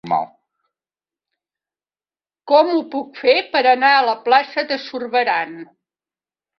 Com ho puc fer per anar a la plaça de Zurbarán?